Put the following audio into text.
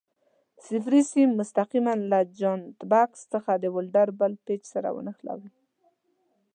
صفري سیم مستقیماً له جاینټ بکس څخه د ولډر بل پېچ سره ونښلوئ.